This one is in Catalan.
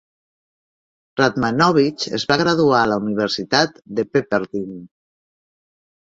Radmanovich es va graduar a la Universitat de Pepperdine.